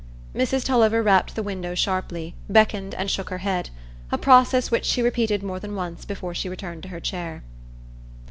Mrs Tulliver rapped the window sharply, beckoned, and shook her head,—a process which she repeated more than once before she returned to her chair.